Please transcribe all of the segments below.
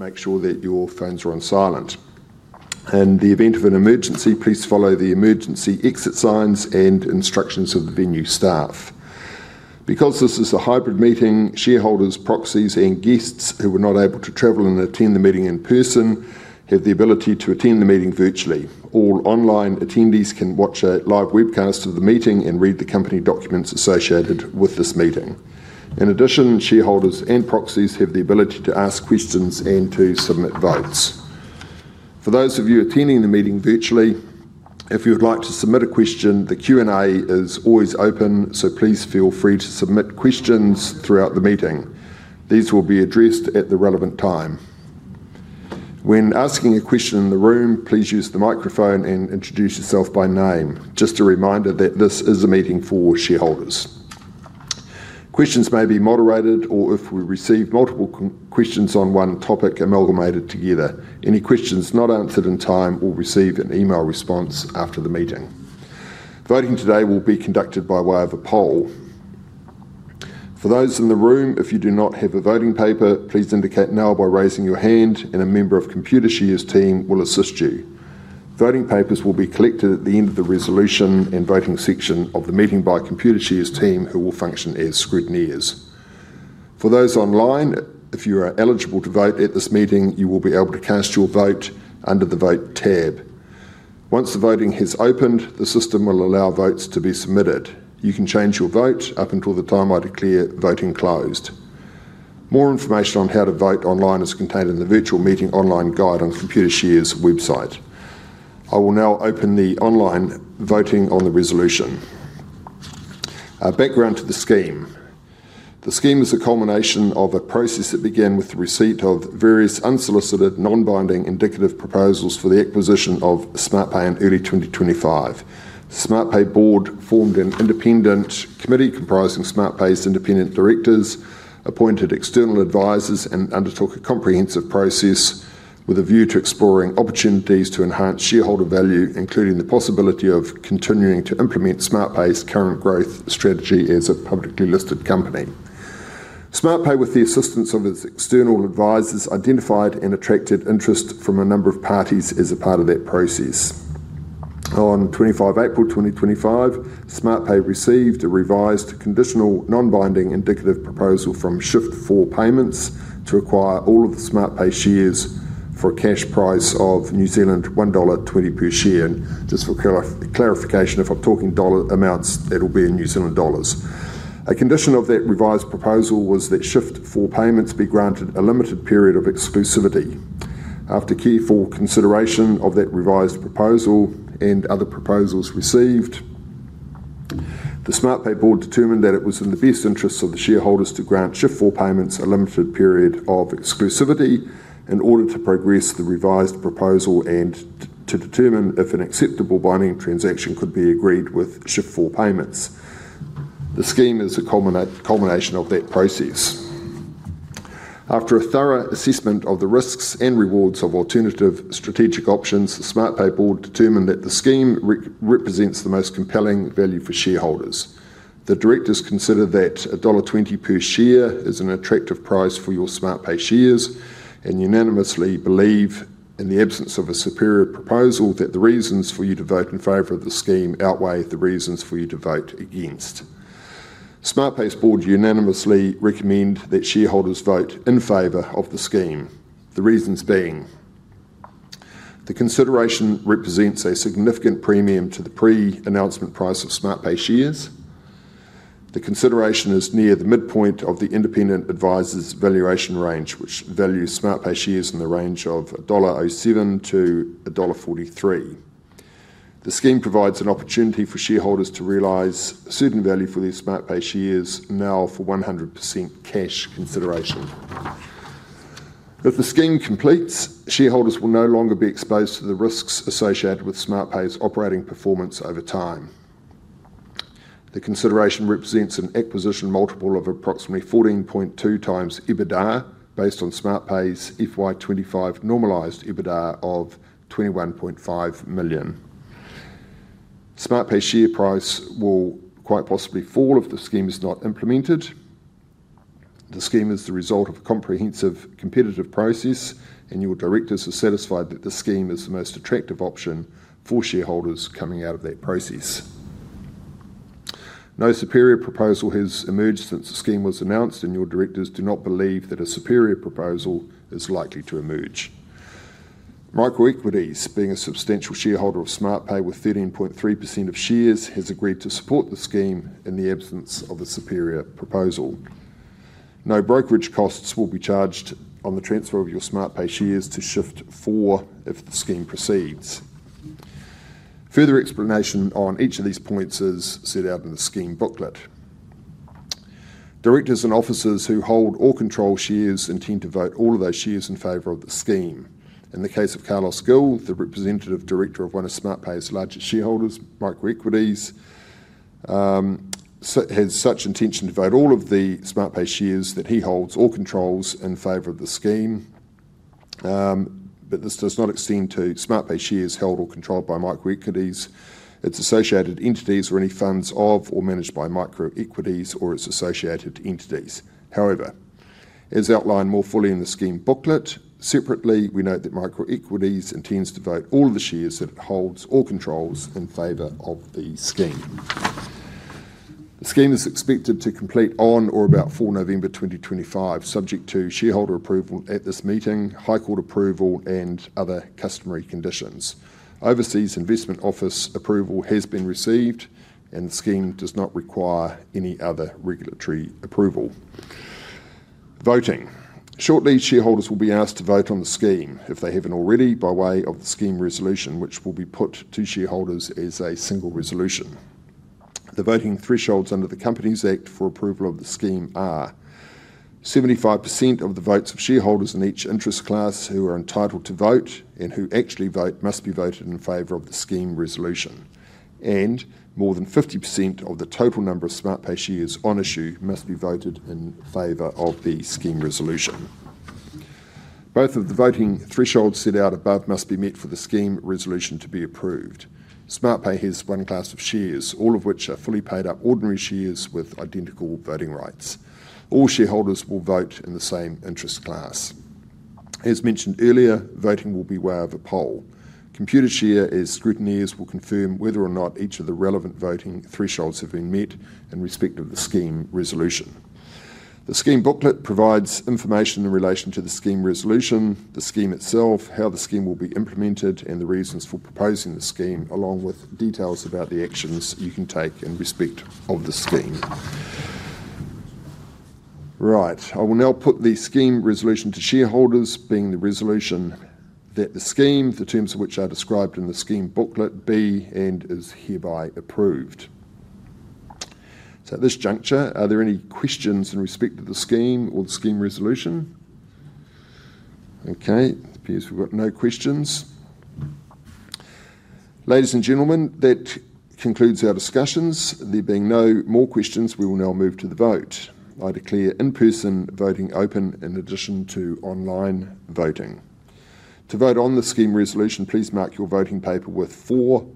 Make sure that your phones are on silent. In the event of an emergency, please follow the emergency exit signs and instructions of the venue staff. Because this is a hybrid meeting, shareholders, proxies, and guests who were not able to travel and attend the meeting in person have the ability to attend the meeting virtually. All online attendees can watch a live webcast of the meeting and read the company documents associated with this meeting. In addition, shareholders and proxies have the ability to ask questions and to submit votes. For those of you attending the meeting virtually, if you would like to submit a question, the Q and A is always open, so please feel free to submit questions throughout the meeting. These will be addressed at the relevant time. When asking a question in the room, please use the microphone and introduce yourself by name. Just a reminder that this is a meeting for shareholders. Questions may be moderated or, if we receive multiple questions on one topic, amalgamated together. Any questions not answered in time will receive an email response after the meeting. Voting today will be conducted by way of a poll. For those in the room, if you do not have a voting paper, please indicate now by raising your hand and a member of Computershare's team will assist you. Voting papers will be collected at the end of the resolution and voting section of the meeting by Computershare's team, who will function as scrutineers. For those online, if you are eligible to vote at this meeting, you will be able to cast your vote under the Vote tab. Once the voting has opened, the system will allow votes to be submitted. You can change your vote up until the time I declare voting closed. More information on how to vote online is contained in the Virtual Meeting Online guide on Computershare's website. I will now open the online voting on the resolution. Background to the scheme: the scheme is the culmination of a process that began with the receipt of various unsolicited non-binding indicative proposals for the acquisition of Smartpay in early 2025. Smartpay board formed an independent committee comprising Smartpay's independent directors, appointed external advisors, and undertook a comprehensive process with a view to exploring opportunities to enhance shareholder value, including the possibility of continuing to implement Smartpay's current growth strategy as a publicly listed company. Smartpay, with the assistance of its external advisors, identified and attracted interest from a number of parties as a part of that process. On April 25, 2025, Smartpay received a revised conditional non-binding indicative proposal from Shift4 Payments to acquire all of the Smartpay shares for a cash price of NZD $1.20 per share, and just for clarification, if I'm talking dollar amounts, it will be in New Zealand dollars. A condition of that revised proposal was that Shift4 Payments be granted a limited period of exclusivity. After careful consideration of that revised proposal and other proposals received, the Smartpay board determined that it was in the best interests of the shareholders to grant Shift4 Payments a limited period of exclusivity in order to progress the revised proposal and to determine if an acceptable binding transaction could be agreed with Shift4 Payments. The scheme is a culmination of that process. After a thorough assessment of the risks and rewards of alternative strategic options, the Smartpay board determined that the scheme represents the most compelling value for shareholders. The Directors consider that $1.20 per share is an attractive price for your Smartpay shares and unanimously believe in the absence of a superior proposal that the reasons for you to vote in favor of the scheme outweigh the reasons for you to vote against. Smartpay's board unanimously recommend that shareholders vote in favor of the scheme. The reasons being the consideration represents a significant premium to the pre-announcement price of Smartpay shares. The consideration is near the midpoint of the independent advisor’s valuation range, which values Smartpay shares in the range of $1.07-$1.43. The scheme provides an opportunity for shareholders to realize certain value for their Smartpay shares now for 100% cash consideration. If the scheme completes, shareholders will no longer be exposed to the risks associated with Smartpay's operating performance over time. The consideration represents an acquisition multiple of approximately 14.2x EBITDA based on Smartpay's FY 2025 normalized EBITDA of $21.5 million. Smartpay share price will quite possibly fall if the scheme is not implemented. The scheme is the result of a comprehensive competitive process, and your Directors are satisfied that the scheme is the most attractive option for shareholders coming out of that process. No superior proposal has emerged since the scheme was announced, and your Directors do not believe that a superior proposal is likely to emerge. Microequities, being a substantial shareholder of Smartpay with 13.3% of shares, has agreed to support the scheme. In the absence of a superior proposal, no brokerage costs will be charged on the transfer of your Smartpay shares to Shift4 if the scheme proceeds. Further explanation on each of these points is set out in the scheme booklet. Directors and officers who hold or control shares intend to vote all of those shares in favor of the scheme. In the case of Carlos Gill, the Representative Director of one of Smartpay's largest shareholders, Microequities, has such intention to vote all of the Smartpay shares that he holds or controls in favor of the scheme. This does not extend to Smartpay shares held or controlled by Microequities, its associated entities, or any funds of or managed by Microequities or its associated entities. However, as outlined more fully in the scheme booklet, separately, we note that Microequities intends to vote all the shares that it holds or controls in favor of the scheme. The scheme is expected to complete on or about November 2025, subject to shareholder approval at this meeting, High Court approval, and other customary conditions. Overseas Investment Office approval has been received, and the scheme does not require any other regulatory approval. Shortly, shareholders will be asked to vote on the scheme, if they haven't already, by way of the Scheme Resolution, which will be put to shareholders as a single resolution. The voting thresholds under the Companies Act for approval of the scheme are 75% of the votes of shareholders in each interest class who are entitled to vote and who actually vote must be voted in favor of the Scheme Resolution, and more than 50% of the total number of Smartpay shares on issue must be voted in favor of the Scheme Resolution. Both of the voting thresholds set out above must be met for the Scheme Resolution to be approved. Smartpay has one class of shares, all of which are fully paid up ordinary shares with identical voting rights. All shareholders will vote in the same interest class. As mentioned earlier, voting will be way over poll. Computershare as scrutineers will confirm whether or not each of the relevant voting thresholds have been met in respect of the Scheme Resolution. The Scheme booklet provides information in relation to the Scheme Resolution, the Scheme itself, how the Scheme will be implemented, and the reasons for proposing the Scheme, along with details about the actions you can take in respect of the Scheme. Right. I will now put the Scheme Resolution to shareholders, being the resolution that the Scheme, the terms of which are described in the Scheme booklet, be and is hereby approved. At this juncture, are there any questions in respect to the Scheme or the Scheme Resolution? Okay, appears we've got no questions. Ladies and gentlemen, that concludes our discussions. There being no more questions, we will now move to the vote. I declare in person voting open, in addition to online voting. To vote on the Scheme Resolution, please mark your voting paper with For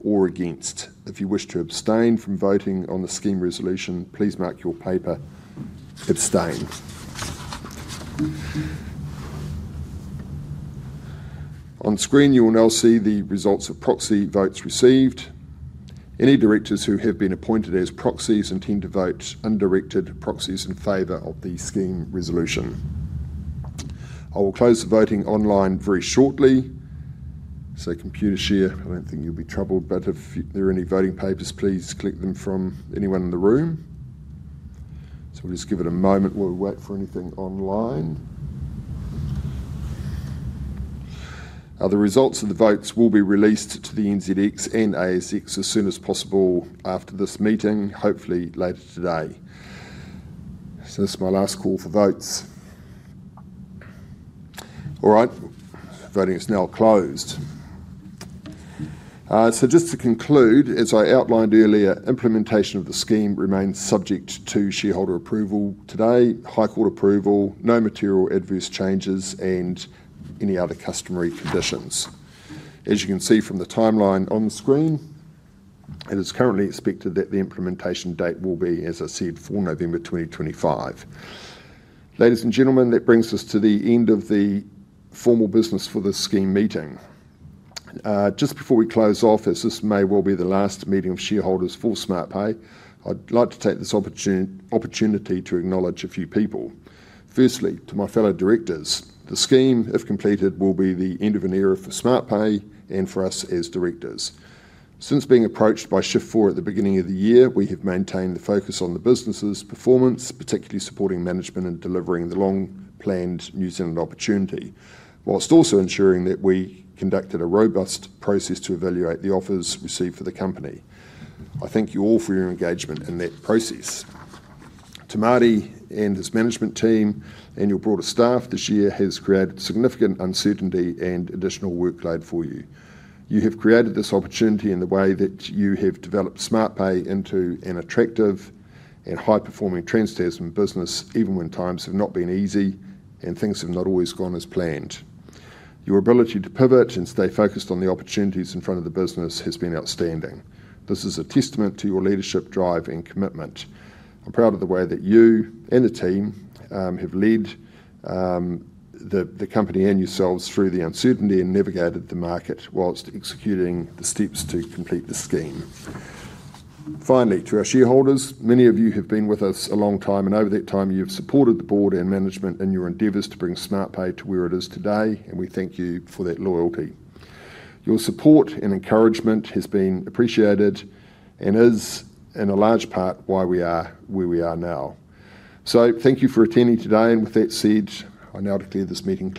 or Against. If you wish to abstain from voting on the Scheme Resolution, please mark your paper Abstain. On screen you will now see the results of proxy votes received. Any directors who have been appointed as proxies intend to vote undirected proxies in favor of the Scheme Resolution. I will close the voting online very shortly. Computershare, I don't think you'll be troubled, but if there are any voting papers, please collect them from anyone in the room. We'll just give it a moment while we wait for anything online. The results of the votes will be released to the NZX and ASX as soon as possible after this meeting, hopefully later today. This is my last call for votes. All right, voting is now closed. Just to conclude, as I outlined earlier, implementation of the Scheme remains subject to shareholder approval today, High Court approval, no material adverse changes, and any other customary conditions. As you can see from the timeline on the screen, it is currently expected that the implementation date will be, as I said, for November 2025. Ladies and gentlemen, that brings us to the end of the formal business for this Scheme meeting. Just before we close off, as this may well be the last meeting of shareholders for Smartpay, I'd like to take this opportunity to acknowledge a few people. Firstly, to my fellow directors, the scheme, if completed, will be the end of an era for Smartpay and for us as directors. Since being approached by Shift4 at the beginning of the year, we have maintained the focus on the business's performance, particularly supporting management and delivering the long planned New Zealand opportunity, whilst also ensuring that we conducted a robust process to evaluate the offers received for the company. I thank you all for your engagement in that process. To Martyn and his management team and your broader staff. This year has created significant uncertainty and additional workload for you. You have created this opportunity in the way that you have developed Smartpay into an attractive and high performing transaction business. Even when times have not been easy and things have not always gone as planned, your ability to pivot and stay focused on the opportunities in front of the business has been outstanding. This is a testament to your leadership, drive and commitment. I'm proud of the way that you and the team have led the company and yourselves through the uncertainty and navigated the market whilst executing the steps to complete the scheme. Finally, to our shareholders, many of you have been with us a long time and over that time you have supported the Board and management in your endeavors to bring Smartpay to where it is today. We thank you for that loyalty. Your support and encouragement has been appreciated and is in a large part why we are where we are now. Thank you for attending today. With that said, I now declare this meeting.